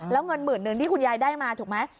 แล้วเงินหมื่นนึงที่คุณยายได้มาถูกไหม